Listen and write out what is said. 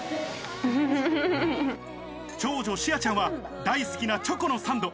長女・幸ちゃんは大好きなチョコのサンド。